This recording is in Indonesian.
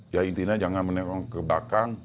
ya intinya jangan menengok ke belakang